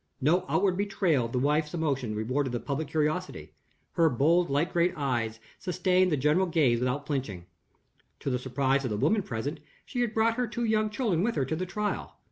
No outward betrayal of the wife's emotion rewarded the public curiosity: her bold light gray eyes sustained the general gaze without flinching. To the surprise of the women present, she had brought her two young children with her to the trial.